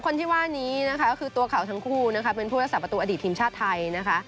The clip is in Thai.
คนที่ว่านี้นะคะก็คือตัวเขาทั้งคู่นะคะเป็นผู้รักษาประตูอดีตทีมชาติไทยนะคะ